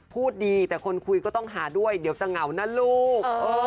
พูดดีแต่คนคุยก็ต้องหาด้วยเดี๋ยวจะเหงานะลูก